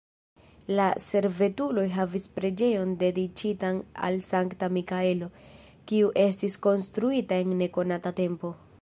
La servutuloj havis preĝejon dediĉitan al Sankta Mikaelo, kiu estis konstruita en nekonata tempo.